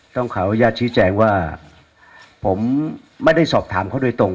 ต้องขออนุญาตชี้แจงว่าผมไม่ได้สอบถามเขาโดยตรง